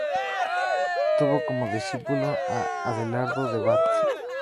Tuvo como discípulo a Adelardo de Bath.